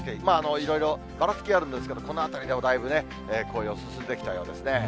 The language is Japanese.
いろいろばらつきはあるんですけど、この辺りでもだいぶね、紅葉進んできたようですね。